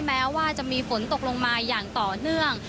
แม้ว่าจะมีฝนตกลงมาอย่างต่อเนื่อง